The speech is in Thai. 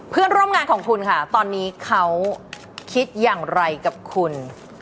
เพื่อนร่วมงานของคุณค่ะตอนนี้เขาคิดอย่างไรกับคุณ